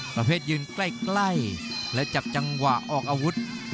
ประเภทยืนใกล้และจับจังหวะออกอาวุธ